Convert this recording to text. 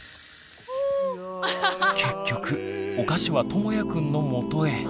結局お菓子はともやくんのもとへ。